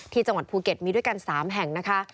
ที่จังหวัดภูเก็ตมีด้วยกัน๓แห่งนะคะ